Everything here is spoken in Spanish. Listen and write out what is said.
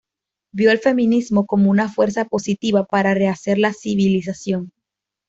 Vio el feminismo como una fuerza positiva para rehacer la civilización.